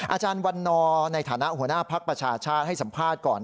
อาจารย์วันนอร์ในฐานะหัวหน้าภักดิ์ประชาชาติให้สัมภาษณ์ก่อน